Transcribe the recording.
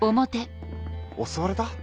襲われた？